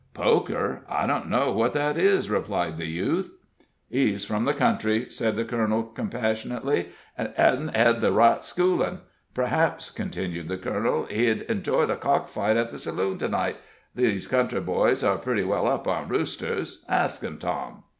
"Poker? I don't know what that is," replied the youth. "He's from the country," said the colonel, compassionately, "an' hesn't hed the right schoolin'. P'r'aps," continued the colonel, "he'd enjoy the cockfight at the saloon to night these country boys are pretty well up on roosters. Ask him, Tom."